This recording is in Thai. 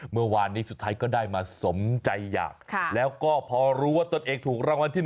เมื่อวานนี้สุดท้ายก็ได้มาสมใจอยากแล้วก็พอรู้ว่าตนเองถูกรางวัลที่๑